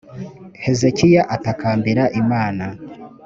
hezekiya atakambira imana